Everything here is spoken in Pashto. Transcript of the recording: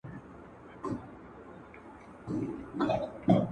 هغه کسان چي پلان جوړوي باید پوره تجربه ولري.